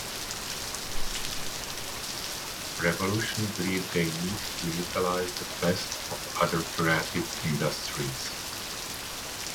Revolution believed they needed to utilise the best of other creative industries.